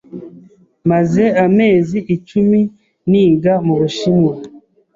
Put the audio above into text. Maze amezi icumi niga mu Bushinwa.